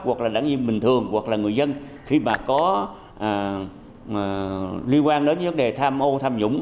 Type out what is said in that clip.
hoặc là đảng viên bình thường hoặc là người dân khi mà có liên quan đến vấn đề tham ô tham nhũng